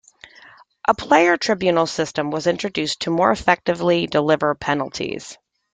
A player tribunal system was introduced to more effectively deliver penalties.